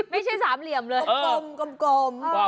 ไม่ใช่สามเหลี่ยมเลยกลม